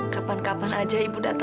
kalau jamu itu